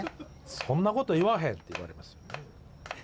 「そんなこと言わへん」って言われますよ。